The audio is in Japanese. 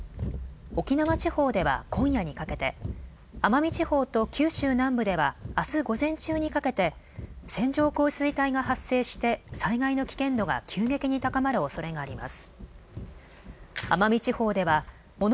沖縄地方では今夜にかけて、奄美地方と九州南部ではあす午前中にかけて線状降水帯が発生して災害の危険度が急激に高まるおそれがあります。